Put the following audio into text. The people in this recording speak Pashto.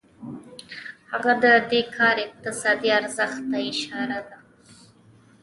هغه د دې کار اقتصادي ارزښت ته اشاره وکړه